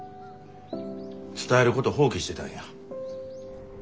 伝えること放棄してたんや。